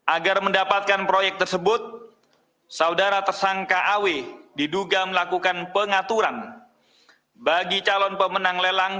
agar mendapatkan proyek tersebut saudara tersangka aw diduga melakukan pengaturan bagi calon pemenang lelang